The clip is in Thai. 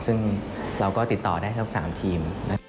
ซึ่งเราก็ติดต่อได้ทั้ง๓ทีม